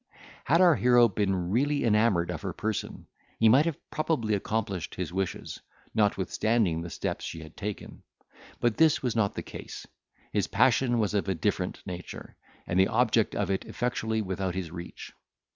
Had our hero been really enamoured of her person, he might have probably accomplished his wishes, notwithstanding the steps she had taken. But this was not the case. His passion was of a different nature, and the object of it effectually without his reach.